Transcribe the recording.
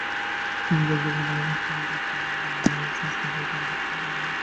তিনি দাবি করেন, বাংলাদেশের কোথাও এসব স্বর্ণ সঠিকভাবে পরিমাপের কোনো যন্ত্র নেই।